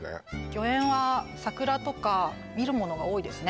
御苑は桜とか見るものが多いですね